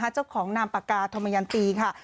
เจ้าของนามปากกาธมยันตีค่ะ